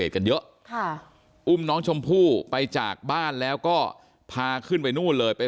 กันเยอะค่ะอุ้มน้องชมพู่ไปจากบ้านแล้วก็พาขึ้นไปนู่นเลยไป